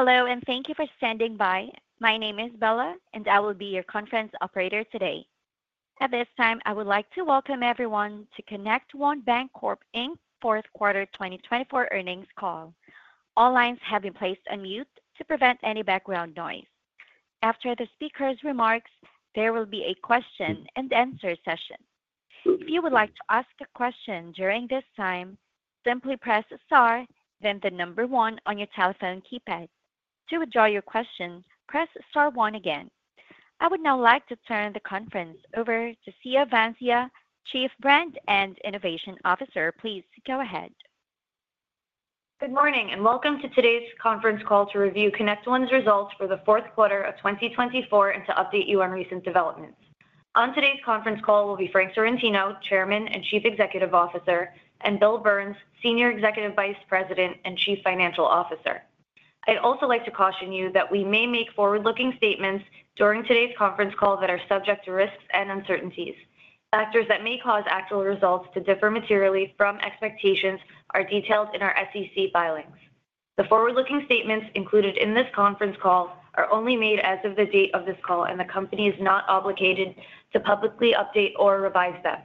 Hello, and thank you for standing by. My name is Bella, and I will be your conference operator today. At this time, I would like to welcome everyone to ConnectOne Bancorp, Inc. Q4 2024 Earnings Call. All lines have been placed on mute to prevent any background noise. After the speaker's remarks, there will be a Q&A session. If you would like to ask a question during this time, simply press Star, then the number one on your telephone keypad. To withdraw your question, press Star one again. I would now like to turn the conference over to Siya Vansia, Chief Brand and Innovation Officer. Please go ahead. Good morning, and welcome to today's conference call to review ConnectOne's results for the Q4 of 2024 and to update you on recent developments. On today's conference call will be Frank Sorrentino, Chairman and Chief Executive Officer, and Bill Burns, Senior Executive Vice President and Chief Financial Officer. I'd also like to caution you that we may make forward-looking statements during today's conference call that are subject to risks and uncertainties. Factors that may cause actual results to differ materially from expectations are detailed in our SEC filings. The forward-looking statements included in this conference call are only made as of the date of this call, and the company is not obligated to publicly update or revise them.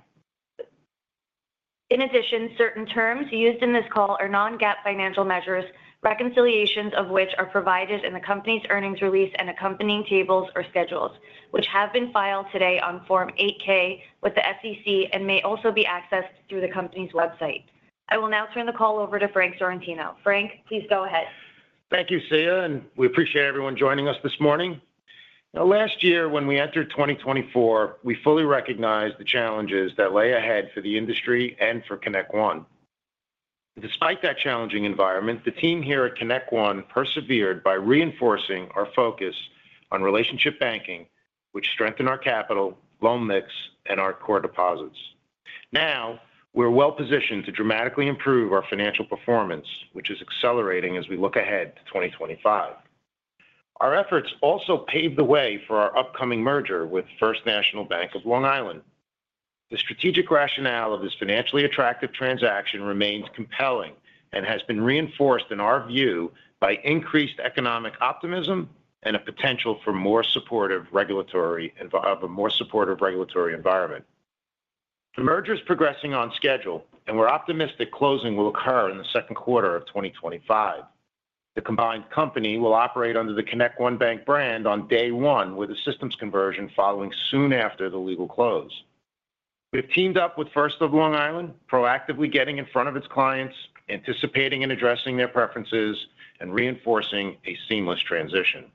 In addition, certain terms used in this call are Non-GAAP financial measures, reconciliations of which are provided in the company's earnings release and accompanying tables or schedules, which have been filed today on Form 8-K with the SEC and may also be accessed through the company's website. I will now turn the call over to Frank Sorrentino. Frank, please go ahead. Thank you, Siya, and we appreciate everyone joining us this morning. Last year, when we entered 2024, we fully recognized the challenges that lay ahead for the industry and for ConnectOne. Despite that challenging environment, the team here at ConnectOne persevered by reinforcing our focus on relationship banking, which strengthened our capital, loan mix, and our core deposits. Now, we're well-positioned to dramatically improve our financial performance, which is accelerating as we look ahead to 2025. Our efforts also paved the way for our upcoming merger with The First National Bank of Long Island. The strategic rationale of this financially attractive transaction remains compelling and has been reinforced, in our view, by increased economic optimism and a potential for a more supportive regulatory environment. The merger is progressing on schedule, and we're optimistic closing will occur in the Q2 of 2025. The combined company will operate under the ConnectOne Bank brand on day one, with a systems conversion following soon after the legal close. We've teamed up with First of Long Island, proactively getting in front of its clients, anticipating and addressing their preferences, and reinforcing a seamless transition.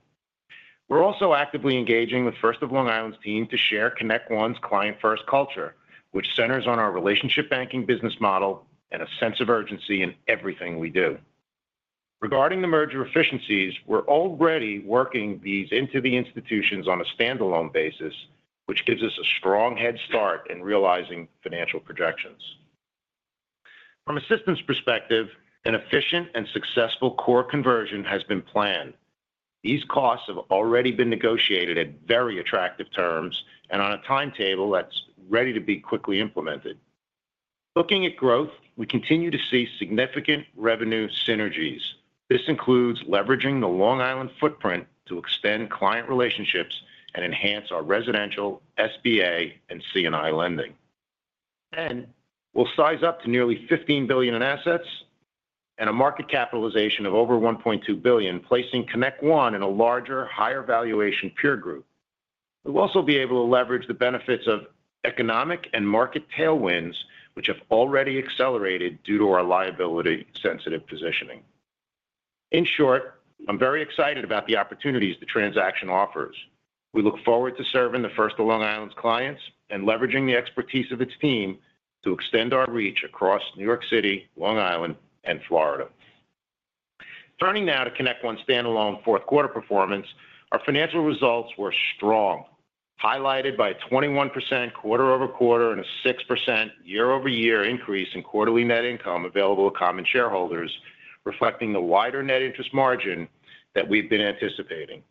We're also actively engaging with First of Long Island's team to share ConnectOne's client-first culture, which centers on our relationship banking business model and a sense of urgency in everything we do. Regarding the merger efficiencies, we're already working these into the institutions on a standalone basis, which gives us a strong head start in realizing financial projections. From a systems perspective, an efficient and successful core conversion has been planned. These costs have already been negotiated at very attractive terms and on a timetable that's ready to be quickly implemented. Looking at growth, we continue to see significant revenue synergies. This includes leveraging the Long Island footprint to extend client relationships and enhance our residential, SBA, and C&I lending. We'll size up to nearly $15 billion in assets and a market capitalization of over $1.2 billion, placing ConnectOne in a larger, higher-valuation peer group. We'll also be able to leverage the benefits of economic and market tailwinds, which have already accelerated due to our liability-sensitive positioning. In short, I'm very excited about the opportunities the transaction offers. We look forward to serving the First of Long Island's clients and leveraging the expertise of its team to extend our reach across New York City, Long Island, and Florida. Turning now to ConnectOne's standalone Q4 performance, our financial results were strong, highlighted by a 21% quarter-over-quarter and a 6% year-over-year increase in quarterly net income available to common shareholders, reflecting the wider net interest margin that we've been anticipating.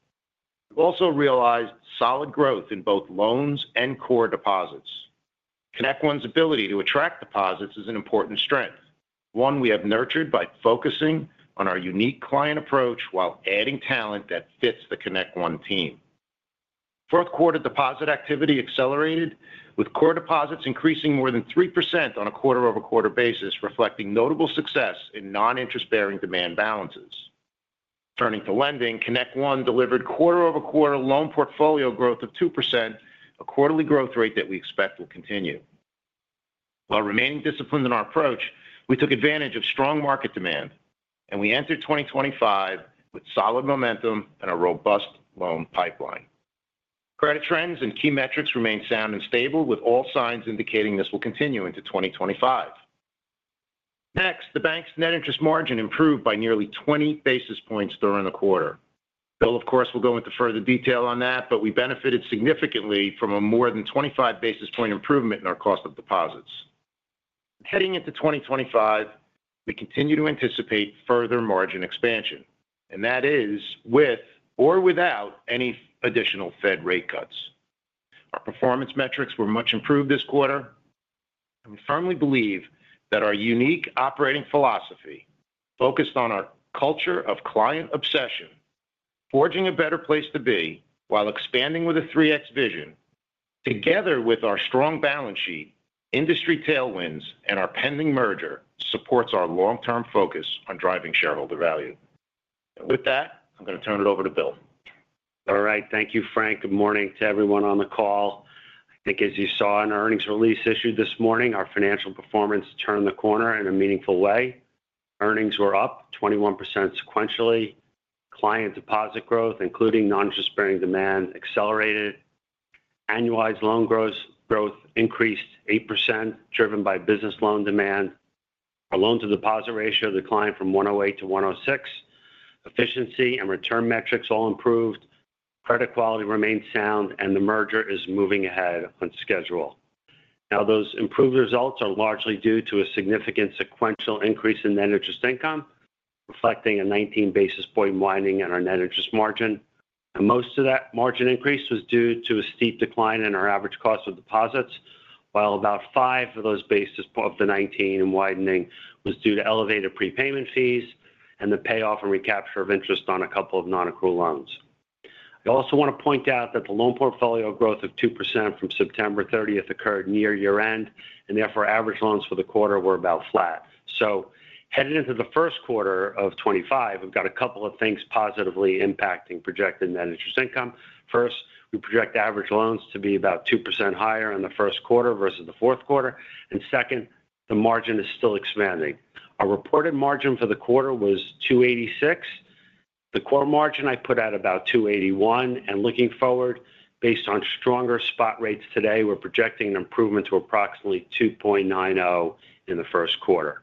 We've also realized solid growth in both loans and core deposits. ConnectOne's ability to attract deposits is an important strength, one we have nurtured by focusing on our unique client approach while adding talent that fits the ConnectOne team. Q4 deposit activity accelerated, with core deposits increasing more than 3% on a quarter-over-quarter basis, reflecting notable success in non-interest-bearing demand balances. Turning to lending, ConnectOne delivered quarter-over-quarter loan portfolio growth of 2%, a quarterly growth rate that we expect will continue. While remaining disciplined in our approach, we took advantage of strong market demand, and we entered 2025 with solid momentum and a robust loan pipeline. Credit trends and key metrics remain sound and stable, with all signs indicating this will continue into 2025. Next, the bank's net interest margin improved by nearly 20 basis points during the quarter. Bill, of course, will go into further detail on that, but we benefited significantly from a more than 25 basis point improvement in our cost of deposits. Heading into 2025, we continue to anticipate further margin expansion, and that is with or without any additional Fed rate cuts. Our performance metrics were much improved this quarter, and we firmly believe that our unique operating philosophy, focused on our culture of client obsession, forging a better place to be while expanding with a 3X vision, together with our strong balance sheet, industry tailwinds, and our pending merger, supports our long-term focus on driving shareholder value, and with that, I'm going to turn it over to Bill. All right. Thank you, Frank. Good morning to everyone on the call. I think, as you saw in the earnings release issued this morning, our financial performance turned the corner in a meaningful way. Earnings were up 21% sequentially. Client deposit growth, including non-interest-bearing demand, accelerated. Annualized loan growth increased 8%, driven by business loan demand. Our loan-to-deposit ratio declined from 108 to 106. Efficiency and return metrics all improved. Credit quality remained sound, and the merger is moving ahead on schedule. Now, those improved results are largely due to a significant sequential increase in net interest income, reflecting a 19 basis point widening in our net interest margin. And most of that margin increase was due to a steep decline in our average cost of deposits, while about 5% of those basis points of the 19% widening was due to elevated prepayment fees and the payoff and recapture of interest on a couple of non-accrual loans. I also want to point out that the loan portfolio growth of 2% from September 30th occurred near year-end, and therefore average loans for the quarter were about flat. So, heading into the Q1 of 2025, we've got a couple of things positively impacting projected net interest income. First, we project average loans to be about 2% higher in the Q1 versus the Q4. And second, the margin is still expanding. Our reported margin for the quarter was 286. The core margin I put out about 281. And looking forward, based on stronger spot rates today, we're projecting an improvement to approximately 2.90% in the Q1.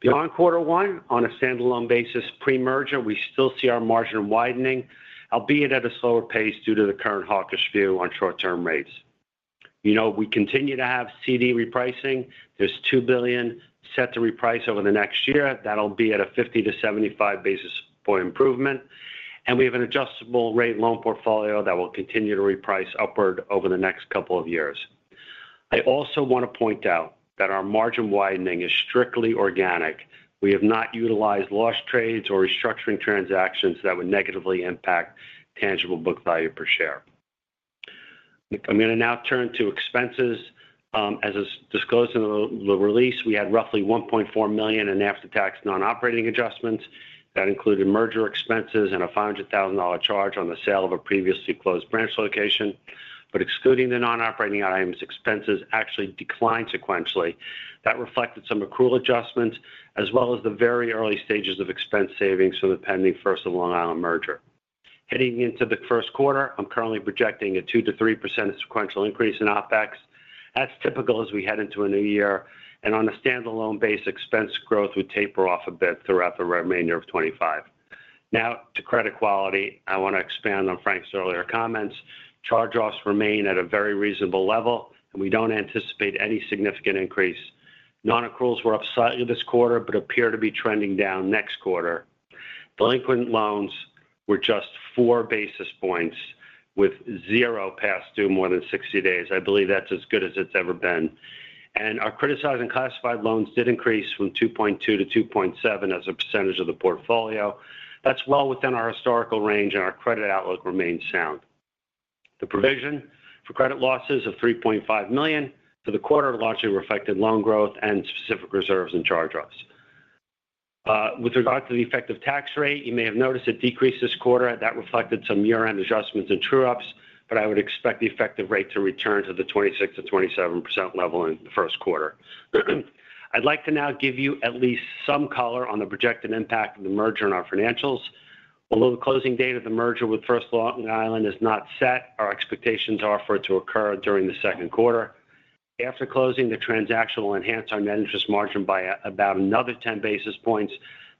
Beyond quarter one, on a standalone basis pre-merger, we still see our margin widening, albeit at a slower pace due to the current hawkish view on short-term rates. You know, we continue to have CD repricing. There's $2 billion set to reprice over the next year. That'll be at a 50- to 75-basis-point improvement. And we have an adjustable rate loan portfolio that will continue to reprice upward over the next couple of years. I also want to point out that our margin widening is strictly organic. We have not utilized loss trades or restructuring transactions that would negatively impact tangible book value per share. I'm going to now turn to expenses. As disclosed in the release, we had roughly $1.4 million in after-tax non-operating adjustments. That included merger expenses and a $500,000 charge on the sale of a previously closed branch location. But excluding the non-operating items, expenses actually declined sequentially. That reflected some accrual adjustments, as well as the very early stages of expense savings from the pending First of Long Island merger. Heading into the Q1, I'm currently projecting a 2%-3% sequential increase in OpEx. That's typical as we head into a new year. And on a standalone base, expense growth would taper off a bit throughout the remainder of 2025. Now, to credit quality, I want to expand on Frank's earlier comments. Charge-offs remain at a very reasonable level, and we don't anticipate any significant increase. Non-accruals were up slightly this quarter but appear to be trending down next quarter. Delinquent loans were just 4 basis points, with 0 past due more than 60 days. I believe that's as good as it's ever been. And our criticized and classified loans did increase from 2.2%-2.7% of the portfolio. That's well within our historical range, and our credit outlook remains sound. The provision for credit losses of $3.5 million for the quarter largely reflected loan growth and specific reserves and charge-offs. With regard to the effective tax rate, you may have noticed a decrease this quarter. That reflected some year-end adjustments and true-ups, but I would expect the effective rate to return to the 26%-27% level in the Q1. I'd like to now give you at least some color on the projected impact of the merger on our financials. Although the closing date of the merger with First of Long Island is not set, our expectations are for it to occur during the Q2. After closing, the transaction will enhance our net interest margin by about another 10 basis points.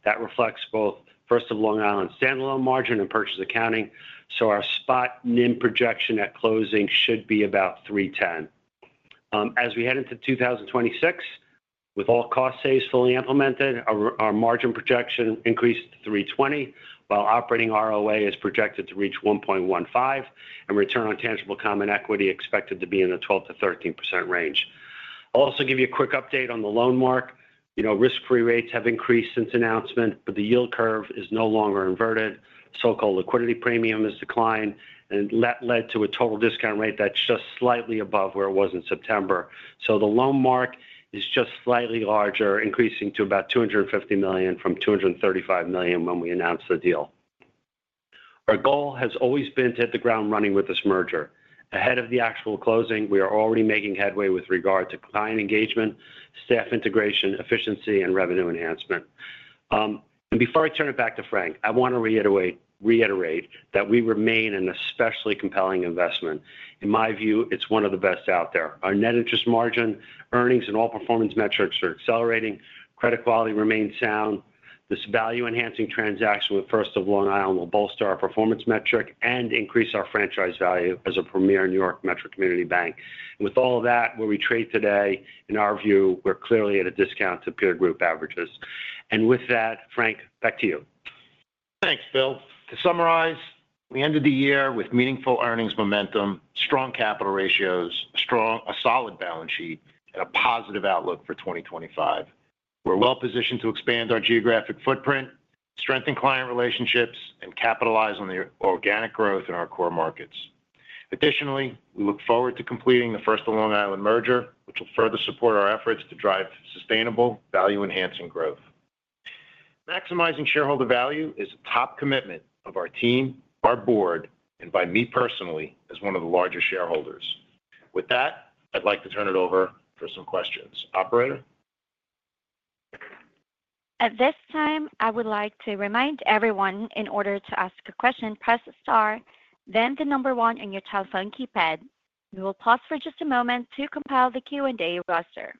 That reflects both First of Long Island's standalone margin and purchase accounting. So our spot NIM projection at closing should be about 310. As we head into 2026, with all cost saves fully implemented, our margin projection increased to 320, while operating ROA is projected to reach 1.15, and return on tangible common equity expected to be in the 12%-13% range. I'll also give you a quick update on the loan mark. You know, risk-free rates have increased since announcement, but the yield curve is no longer inverted. So-called liquidity premium has declined, and that led to a total discount rate that's just slightly above where it was in September. So the loan mark is just slightly larger, increasing to about $250 million from $235 million when we announced the deal. Our goal has always been to hit the ground running with this merger. Ahead of the actual closing, we are already making headway with regard to client engagement, staff integration, efficiency, and revenue enhancement, and before I turn it back to Frank, I want to reiterate that we remain an especially compelling investment. In my view, it's one of the best out there. Our net interest margin, earnings, and all performance metrics are accelerating. Credit quality remains sound. This value-enhancing transaction with First of Long Island will bolster our performance metric and increase our franchise value as a premier New York metro community bank, and with all of that, where we trade today, in our view, we're clearly at a discount to peer group averages, and with that, Frank, back to you. Thanks, Bill. To summarize, we ended the year with meaningful earnings momentum, strong capital ratios, a solid balance sheet, and a positive outlook for 2025. We're well positioned to expand our geographic footprint, strengthen client relationships, and capitalize on the organic growth in our core markets. Additionally, we look forward to completing the First of Long Island merger, which will further support our efforts to drive sustainable value-enhancing growth. Maximizing shareholder value is a top commitment of our team, our board, and by me personally as one of the larger shareholders. With that, I'd like to turn it over for some questions. Operator? At this time, I would like to remind everyone, in order to ask a question, press star, then the number one on your telephone keypad. We will pause for just a moment to compile the Q&A roster.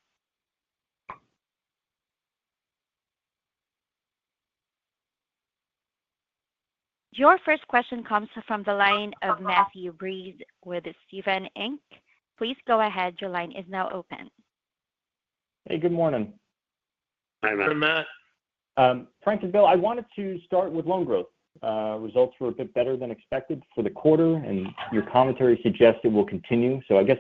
Your first question comes from the line of Matthew Breese with Stephens Inc. Please go ahead. Your line is now open. Hey, good morning. Hi, Matt. Hello, Matt. Frank and Bill, I wanted to start with loan growth. Results were a bit better than expected for the quarter, and your commentary suggests it will continue, so I guess,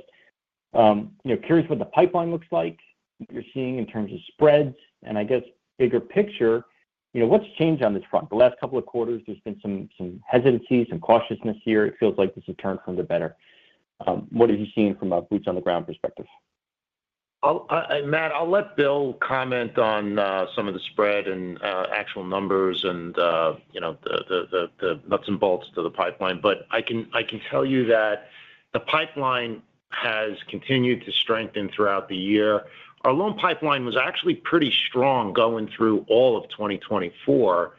you know, curious what the pipeline looks like, what you're seeing in terms of spreads, and I guess, bigger picture, you know, what's changed on this front? The last couple of quarters, there's been some hesitancy, some cautiousness here. It feels like this has turned for the better. What are you seeing from a boots-on-the-ground perspective? Matt, I'll let Bill comment on some of the spread and actual numbers and, you know, the nuts and bolts to the pipeline. But I can tell you that the pipeline has continued to strengthen throughout the year. Our loan pipeline was actually pretty strong going through all of 2024,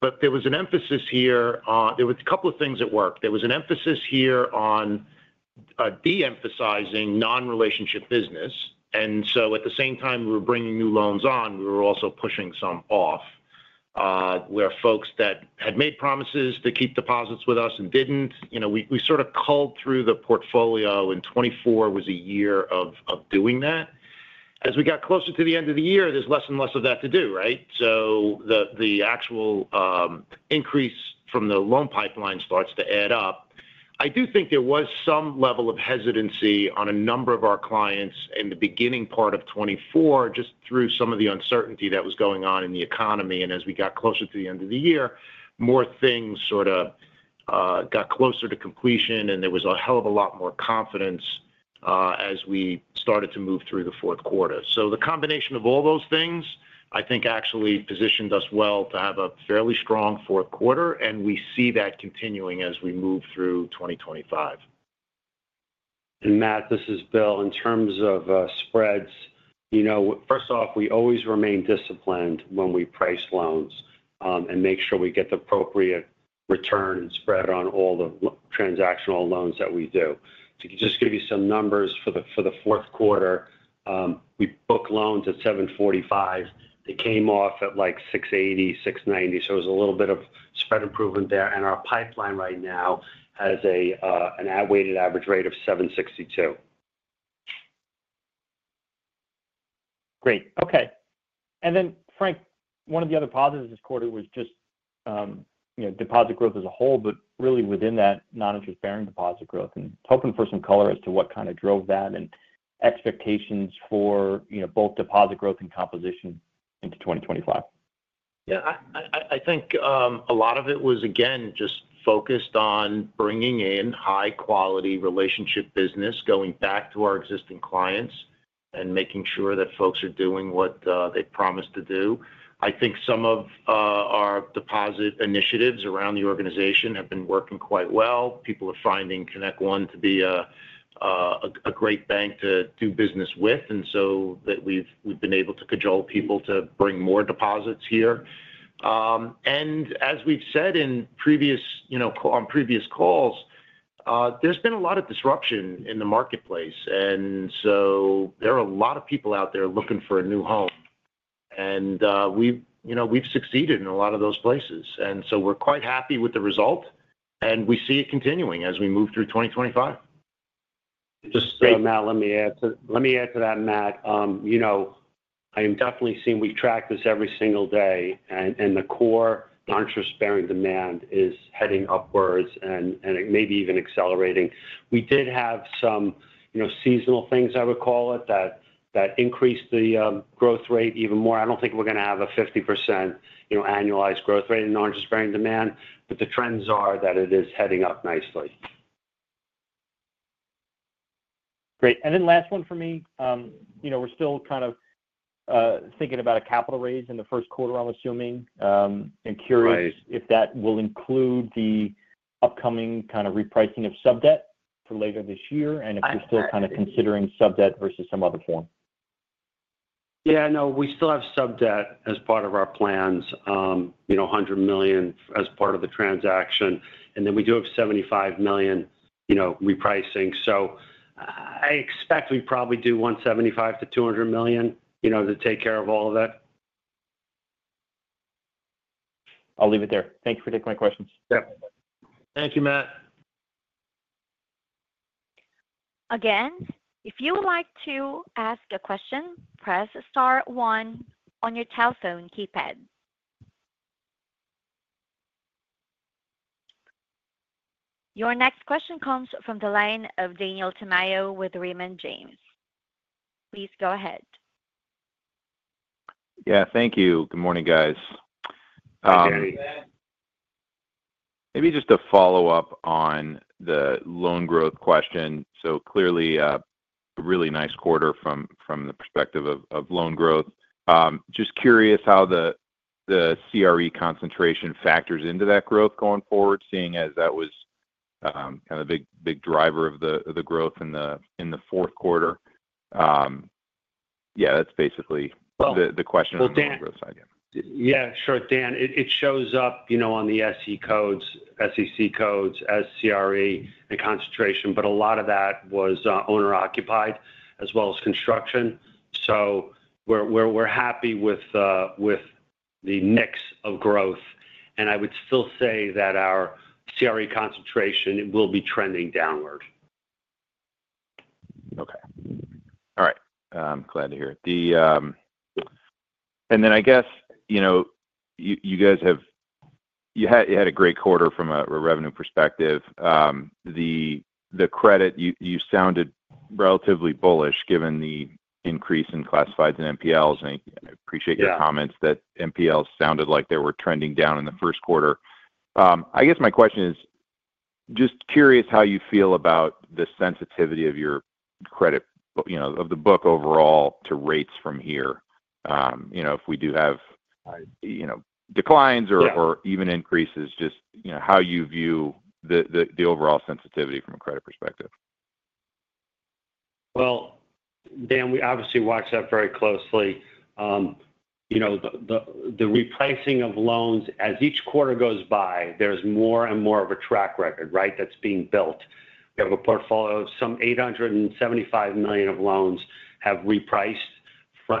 but there was an emphasis here on there were a couple of things that worked. There was an emphasis here on de-emphasizing non-relationship business. And so, at the same time we were bringing new loans on, we were also pushing some off. Where folks that had made promises to keep deposits with us and didn't, you know, we sort of culled through the portfolio, and 2024 was a year of doing that. As we got closer to the end of the year, there's less and less of that to do, right? The actual increase from the loan pipeline starts to add up. I do think there was some level of hesitancy on a number of our clients in the beginning part of 2024, just through some of the uncertainty that was going on in the economy. And as we got closer to the end of the year, more things sort of got closer to completion, and there was a hell of a lot more confidence as we started to move through the Q4. So the combination of all those things, I think, actually positioned us well to have a fairly strong Q4, and we see that continuing as we move through 2025. And Matt, this is Bill. In terms of spreads, you know, first off, we always remain disciplined when we price loans and make sure we get the appropriate return and spread on all the transactional loans that we do. To just give you some numbers for the Q4, we booked loans at 745. They came off at like 680, 690. So there's a little bit of spread improvement there. And our pipeline right now has a weighted average rate of 762. Great. Okay. And then, Frank, one of the other positives this quarter was just, you know, deposit growth as a whole, but really within that non-interest-bearing deposit growth. And I was hoping for some color as to what kind of drove that and expectations for, you know, both deposit growth and composition into 2025? Yeah. I think a lot of it was, again, just focused on bringing in high-quality relationship business, going back to our existing clients, and making sure that folks are doing what they promised to do. I think some of our deposit initiatives around the organization have been working quite well. People are finding ConnectOne to be a great bank to do business with, and so that we've been able to cajole people to bring more deposits here, and as we've said in previous, you know, on previous calls, there's been a lot of disruption in the marketplace, and so there are a lot of people out there looking for a new home, and we've, you know, we've succeeded in a lot of those places, and so we're quite happy with the result, and we see it continuing as we move through 2025. Just, Matt, let me add to that, Matt. You know, I am definitely seeing. We track this every single day, and the core non-interest-bearing demand is heading upwards and maybe even accelerating. We did have some, you know, seasonal things, I would call it, that increased the growth rate even more. I don't think we're going to have a 50%, you know, annualized growth rate in non-interest-bearing demand, but the trends are that it is heading up nicely. Great, and then last one for me. You know, we're still kind of thinking about a capital raise in the Q1, I'm assuming, and curious if that will include the upcoming kind of repricing of sub-debt for later this year, and if we're still kind of considering sub-debt versus some other form. Yeah. No, we still have sub-debt as part of our plans, you know, $100 million as part of the transaction. And then we do have $75 million, you know, repricing. So I expect we probably do $175-$200 million, you know, to take care of all of it. I'll leave it there. Thank you for taking my questions. Yep. Thank you, Matt. Again, if you would like to ask a question, press star one on your telephone keypad. Your next question comes from the line of Daniel Tamayo with Raymond James. Please go ahead. Yeah. Thank you. Good morning, guys. Good morning, Matt. Maybe just a follow-up on the loan growth question. So clearly, a really nice quarter from the perspective of loan growth. Just curious how the CRE concentration factors into that growth going forward, seeing as that was kind of the big driver of the growth in the Q4. Yeah, that's basically the question on the loan growth side. Yeah. Sure, Dan. It shows up, you know, on the SIC codes, SEC codes, CRE, and concentration, but a lot of that was owner-occupied as well as construction. So we're happy with the mix of growth. And I would still say that our CRE concentration will be trending downward. Okay. All right. I'm glad to hear it. And then I guess, you know, you guys have had a great quarter from a revenue perspective. The credit, you sounded relatively bullish given the increase in classifieds and NPLs. And I appreciate your comments that NPLs sounded like they were trending down in the Q1. I guess my question is just curious how you feel about the sensitivity of your credit, you know, of the book overall to rates from here. You know, if we do have, you know, declines or even increases, just, you know, how you view the overall sensitivity from a credit perspective? Dan, we obviously watch that very closely. You know, the repricing of loans, as each quarter goes by, there's more and more of a track record, right, that's being built. We have a portfolio of some $875 million of loans have repriced,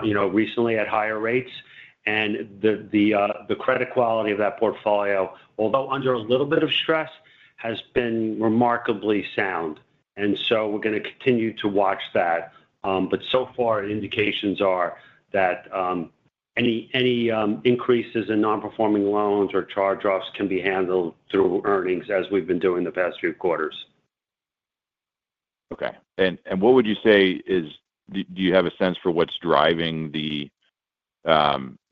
you know, recently at higher rates. The credit quality of that portfolio, although under a little bit of stress, has been remarkably sound. We're going to continue to watch that. So far, indications are that any increases in non-performing loans or charge-offs can be handled through earnings as we've been doing the past few quarters. Okay, and what would you say is do you have a sense for what's driving the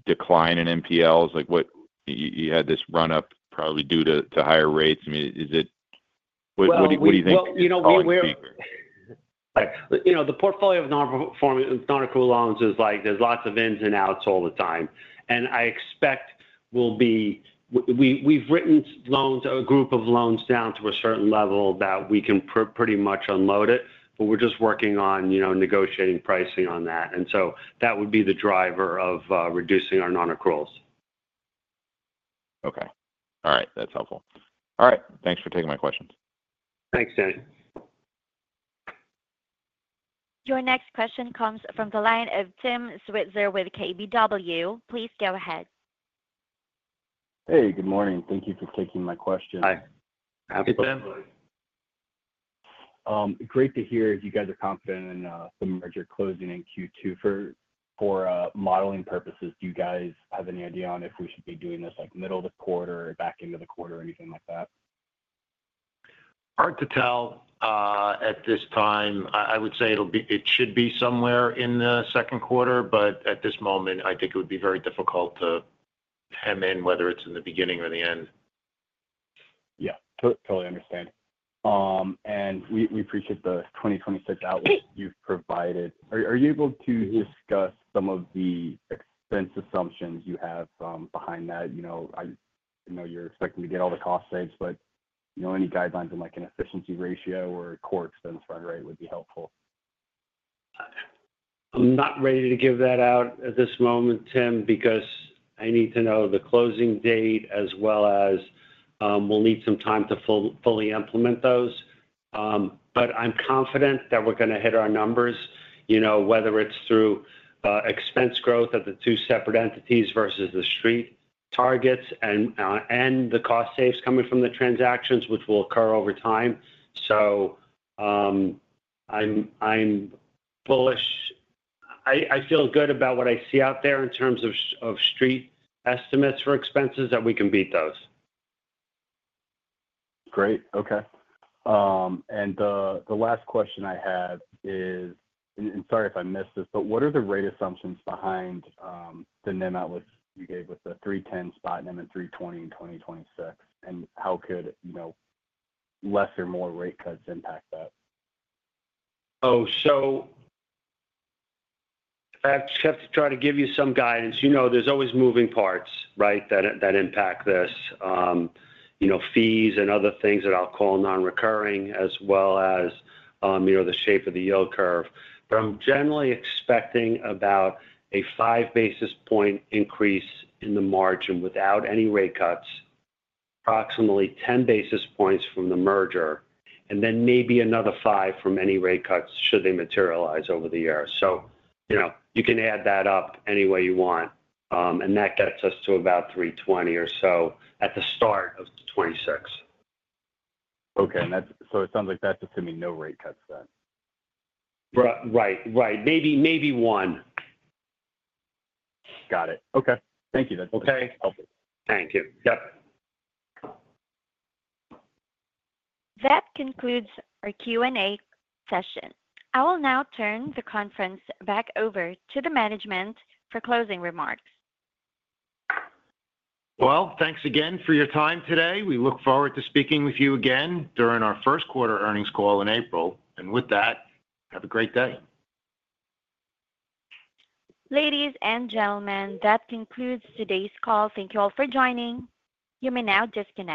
decline in MPLs? Like, what you had this run-up probably due to higher rates. I mean, is it? What do you think? You know, we're, you know, the portfolio of non-performing non-accrual loans is like there's lots of ins and outs all the time. And I expect we've written down a group of loans to a certain level that we can pretty much unload it, but we're just working on, you know, negotiating pricing on that. And so that would be the driver of reducing our non-accruals. Okay. All right. That's helpful. All right. Thanks for taking my questions. Thanks, Danny. Your next question comes from the line of Tim Switzer with KBW. Please go ahead. Hey, good morning. Thank you for taking my question. Hi. Hi, Tim. Great to hear you guys are confident in the merger closing in Q2. For modeling purposes, do you guys have any idea on if we should be doing this like middle of the quarter or back into the quarter or anything like that? Hard to tell at this time. I would say it should be somewhere in the Q2, but at this moment, I think it would be very difficult to pin down whether it's in the beginning or the end. Yeah. Totally understand. And we appreciate the 2026 outlook you've provided. Are you able to discuss some of the expense assumptions you have behind that? You know, I know you're expecting to get all the cost saves, but, you know, any guidelines on like an efficiency ratio or core expense run rate would be helpful. I'm not ready to give that out at this moment, Tim, because I need to know the closing date as well as we'll need some time to fully implement those, but I'm confident that we're going to hit our numbers, you know, whether it's through expense growth at the two separate entities versus the street targets and the cost saves coming from the transactions, which will occur over time, so I'm bullish. I feel good about what I see out there in terms of street estimates for expenses that we can beat those. Great. Okay. And the last question I have is, and sorry if I missed this, but what are the rate assumptions behind the NIM outlook you gave with the 310 spot NIM in 320 in 2026? And how could, you know, less or more rate cuts impact that? Oh, so I just have to try to give you some guidance. You know, there's always moving parts, right, that impact this, you know, fees and other things that I'll call non-recurring as well as, you know, the shape of the yield curve. But I'm generally expecting about a five basis point increase in the margin without any rate cuts, approximately 10 basis points from the merger, and then maybe another five from any rate cuts should they materialize over the year. So, you know, you can add that up any way you want. And that gets us to about 320 or so at the start of 2026. Okay. And that's so it sounds like that's assuming no rate cuts then? Right. Right. Maybe one. Got it. Okay. Thank you. That's helpful. Okay. Thank you. Yep. That concludes our Q&A session. I will now turn the conference back over to the management for closing remarks. Thanks again for your time today. We look forward to speaking with you again during our Q1 earnings call in April. With that, have a great day. Ladies and gentlemen, that concludes today's call. Thank you all for joining. You may now disconnect.